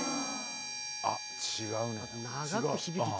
あっ違うな。